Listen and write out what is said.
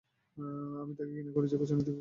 আমি তাকে ঘৃণা করি, যে পেছন দিকে হতে আক্রমণ করে।